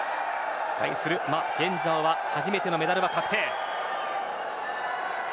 対するマ・ジェンジャオは初めてのメダルは確定です。